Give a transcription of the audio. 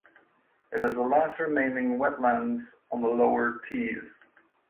It is the last remaining wetland on the lower Tees.